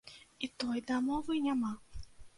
І той дамовы няма.